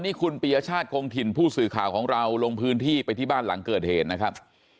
นี่คุณปียชาติคงถิ่นผู้สื่อข่าวของเราลงพื้นที่ไปที่บ้านหลังเกิดเหตุนะครับ